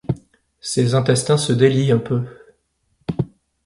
Ses intestins se délient, un peu.